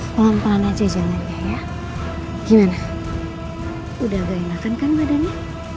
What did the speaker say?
pelan pelan aja jalannya ya gimana udah keenakan kan badannya